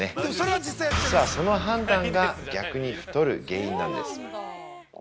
実はその判断が逆に太る原因なんです。